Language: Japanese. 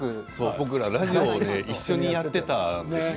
僕ら、ラジオ一緒にやっていたんですよ。